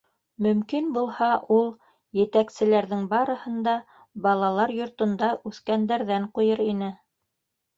Мөмкин булһа, ул етәкселәрҙең барыһын да балалар йортонда үҫкәндәрҙән ҡуйыр ине!